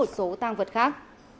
số tăng vật khác